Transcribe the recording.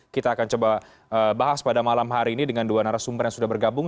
kita akan coba bahas pada malam hari ini dengan dua narasumber yang sudah bergabung